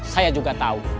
saya juga tau